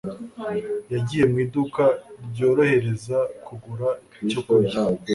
yagiye mu iduka ryorohereza kugura icyo kurya.